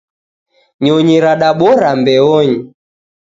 Nyonyi radabora mbeonyi.